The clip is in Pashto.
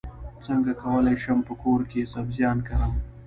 څنګه کولی شم په کور کې سبزیان کرم